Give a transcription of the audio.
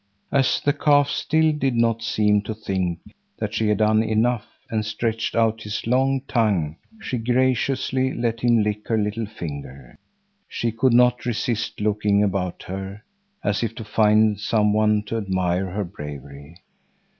As the calf still did not seem to think that she had done enough and stretched out his long tongue, she graciously let him lick her little finger. She could not resist looking about her, as if to find some one to admire her bravery.